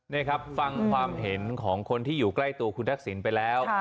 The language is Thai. นี่ครับฟังความเห็นของคนที่อยู่ใกล้ตัวคุณทักษิณไปแล้ว